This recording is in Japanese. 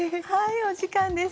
お時間です。